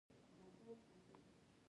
لوگر د افغان کورنیو د دودونو مهم عنصر دی.